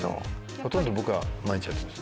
ほとんど僕は毎日やってます。